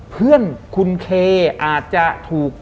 เพื่อนคุณเคอาจจะถูก